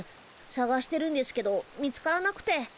さがしてるんですけど見つからなくて。